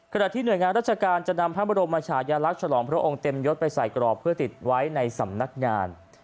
ที่หน่วยงานราชการจะนำพระบรมชายลักษณ์ฉลองพระองค์เต็มยศไปใส่กรอบเพื่อติดไว้ในสำนักงาน